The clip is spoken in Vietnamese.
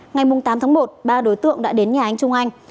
ngày tám tháng một ba đối tượng đã đến nhà anh trung anh